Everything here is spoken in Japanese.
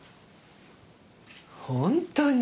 本当に。